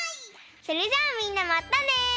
それじゃあみんなまたね！